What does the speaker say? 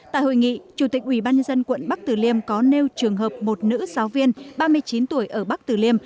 tại hội nghị chủ tịch ubnd quận bắc tử liêm có nêu trường hợp một nữ giáo viên ba mươi chín tuổi ở bắc tử liêm